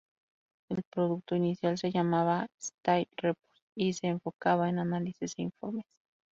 El producto inicial se llamaba Style Report y se enfocaba en análisis e informes.